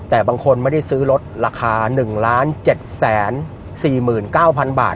แต่บางคนไม่ได้ซื้อรถราคา๑๗๔๙๐๐บาท